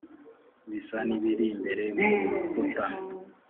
bisa n ibiri imbere mu rukuta